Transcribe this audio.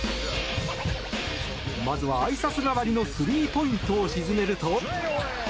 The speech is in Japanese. まずは、あいさつ代わりのスリーポイントを沈めると。